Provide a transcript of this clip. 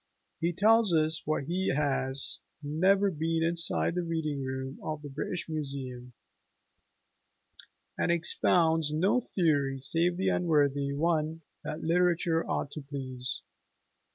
He tells us that he has "never been inside the reading room of the British Museum," and "expounds no theory save the unworthy one that literature ought to please."